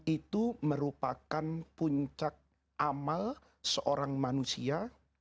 itu merupakan puncak amal seorang manusia